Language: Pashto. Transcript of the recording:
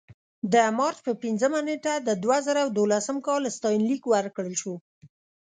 د مارچ په پنځمه نېټه د دوه زره دولسم کال ستاینلیک ورکړل شو.